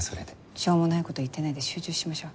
しょうもないこと言ってないで集中しましょう。